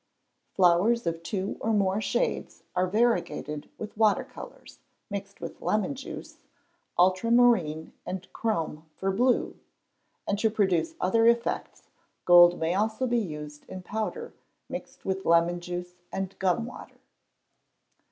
Flowers of two or more shades are variegated with water colours, mixed with lemon juice, ultramarine and chrome for blue; and to produce other effects, gold may also be used in powder, mixed with lemon juice and gum water.